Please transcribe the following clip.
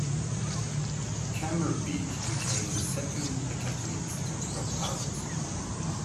Kamerbeek became the second decathlete to drop out.